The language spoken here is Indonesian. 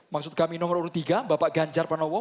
maksud kami nomor urut tiga bapak ganjar pramowo